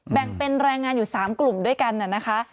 แบ่งเป็นแรงงานอยู่๓กลุ่มด้วยกันนะคะ